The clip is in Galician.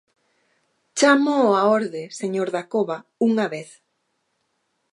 ¡Chámoo á orde, señor Dacova, unha vez!